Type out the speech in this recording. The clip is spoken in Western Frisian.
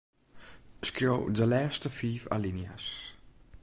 Skriuw de lêste fiif alinea's.